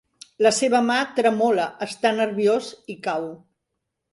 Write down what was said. La seva mà tremola, està nerviós i cau.